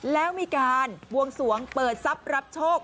แล้วมีการบวงสวงเปิดทรัพย์รับโชค